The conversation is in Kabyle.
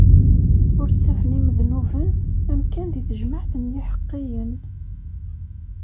Ur ttafen imednuben amkan di tejmaɛt n yiḥeqqiyen.